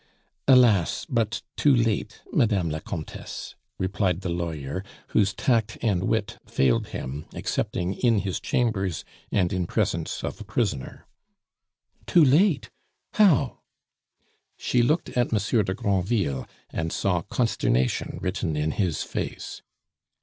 "Alas! but too late, Madame la Comtesse," replied the lawyer, whose tact and wit failed him excepting in his chambers and in presence of a prisoner. "Too late! How?" She looked at Monsieur de Granville, and saw consternation written in his face.